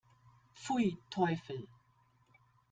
Pfui, Teufel!